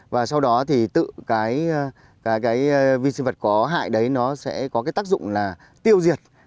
và sau đó thì tự cái vi sinh vật có hại đấy nó sẽ có cái tác dụng là tiêu diệt